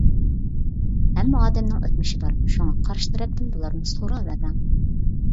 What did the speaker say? ھەممە ئادەمنىڭ ئۆتمۈشى بار، شۇڭا قارشى تەرەپتىن بۇلارنى سوراۋەرمەڭ.